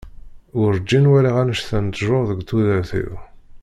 Werǧin walaɣ annect-a n ttjur deg tudert-iw.